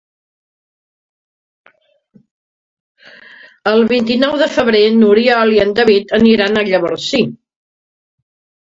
El vint-i-nou de febrer n'Oriol i en David aniran a Llavorsí.